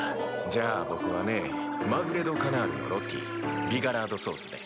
じゃあぼくはねマグレ・ド・カナールのロティビガラードソースで。